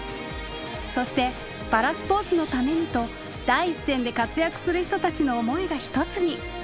そしてパラスポーツのためにと第一線で活躍する人たちの思いが一つに。